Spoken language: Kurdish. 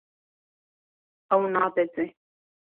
Ew nabeze.